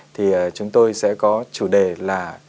thì chúng tôi sẽ có chủ đề là